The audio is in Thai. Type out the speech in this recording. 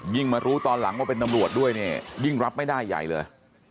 มารู้ตอนหลังว่าเป็นตำรวจด้วยเนี่ยยิ่งรับไม่ได้ใหญ่เลย